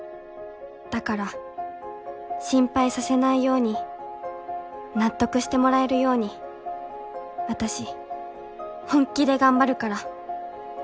だから心配させないように納得してもらえるように私本気で頑張るから。